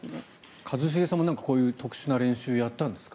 一茂さんもこういう特殊な練習をやったんですか？